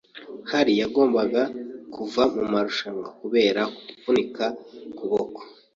Harry yagombaga kuva mumarushanwa kubera kuvunika ukuboko.